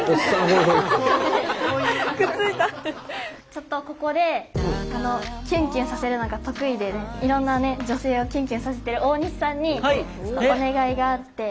ちょっとここでキュンキュンさせるのが得意でいろんな女性をキュンキュンさせてる大西さんにちょっとお願いがあって。